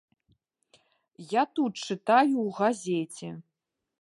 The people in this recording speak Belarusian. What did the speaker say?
Я тут чытаю ў газеце.